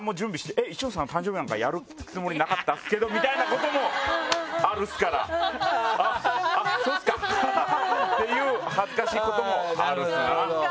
「えっ一ノ瀬さんの誕生日なんかやるつもりなかったっすけど」みたいなこともあるっすから「あっそうっすかハハハハ！」っていう恥ずかしいこともあるっすな。